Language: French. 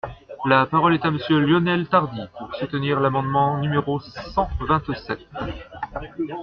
La parole est à Monsieur Lionel Tardy, pour soutenir l’amendement numéro cent vingt-sept.